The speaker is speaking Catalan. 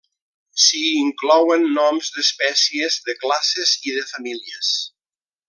S'hi inclouen noms d'espècies, de classes i de famílies.